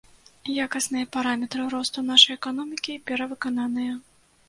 Якасныя параметры росту нашай эканомікі перавыкананыя.